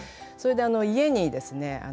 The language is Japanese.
それで家にですね